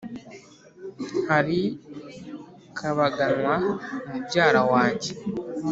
hari kabaganwa mubyara wanjye